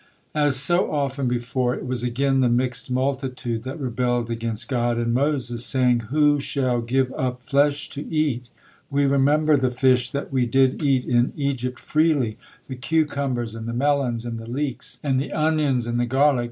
As so often before, it was again the mixed multitude that rebelled against God and Moses, saying: "Who shall give up flesh to eat? We remember the fish that we did eat in Egypt freely; the cucumbers, and the melons, and the leeks, and the onions, and the garlic.